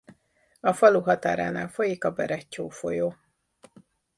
A falu határánál folyik a Berettyó folyó.